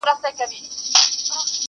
اوس به څوك رايادوي تېري خبري.!